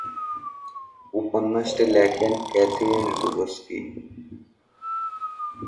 উপন্যাসটি লেখেন Kathy Ann ডুবস্কি।